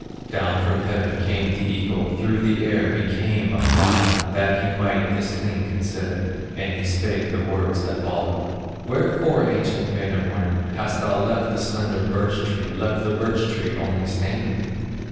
Down from heaven came the eagle, Through the air he came a flying, That he might this thing consider; And he spake the words that follow: "Wherefore, ancient Wainamoinen, Hast thou left the slender birch tree, Left the birch tree only standing?"